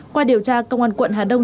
qua điều tra công an quận hà đông